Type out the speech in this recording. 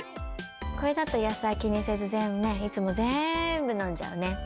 これだと、野菜気にせず全部ね、いつもぜーんぶ飲んじゃうね。